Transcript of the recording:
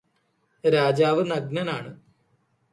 രാജാവ് നഗ്നനാണ്.